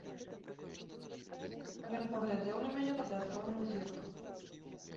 Ён паглядзеў на мяне падазроным зіркам.